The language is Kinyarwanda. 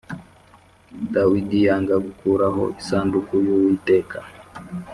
Dawidi yanga gukurayo isanduku y’Uwiteka